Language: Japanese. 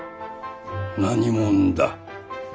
何者だ？